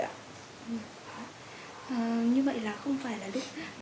như vậy là không phải là đúng